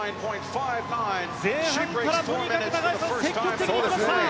前半からとにかく高橋さん積極的に行きました。